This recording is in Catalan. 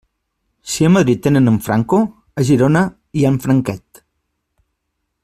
Si a Madrid tenen en Franco, a Girona hi ha en Franquet.